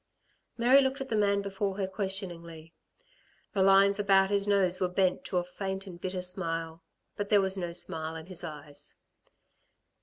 Mary looked at the man before her questioningly. The lines about his nose were bent to a faint and bitter smile; but there was no smile in his eyes.